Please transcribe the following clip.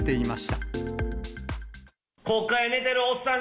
国会で寝てるおっさん